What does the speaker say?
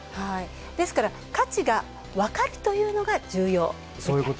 ですから、価値が分かるというのが重要。